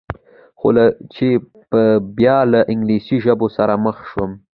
خو کله چې به بیا له انګلیسي ژبو سره مخ شوم.